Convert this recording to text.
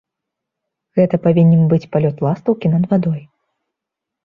Гэта павінен быць палёт ластаўкі над вадой.